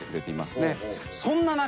そんな中。